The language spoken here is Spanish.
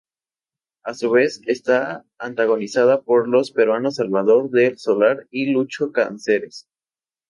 A su vez, está antagonizada por los peruanos Salvador del Solar y Lucho Cáceres.